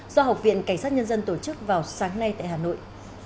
do học viện cảnh sát nhân dân tổ chức vào sáng nay tại hà nội